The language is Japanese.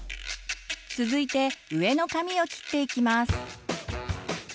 続いて上の髪を切っていきます。